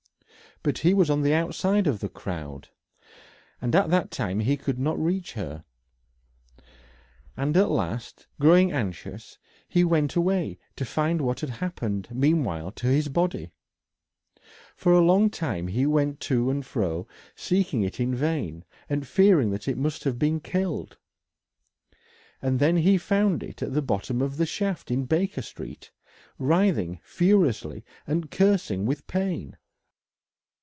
But he was on the outside of the crowd and at that time he could not reach her, and at last, growing anxious, he went away to find what had happened meanwhile to his body. For a long time he went to and fro seeking it in vain and fearing that it must have been killed, and then he found it at the bottom of the shaft in Baker Street, writhing furiously and cursing with pain.